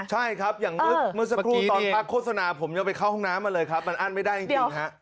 ใช่ครับอย่างเมื่อสักครู่ตอนพักโฆษณาผมยังไปเข้าห้องน้ำมาเลยครับมันอั้นไม่ได้จริงฮะ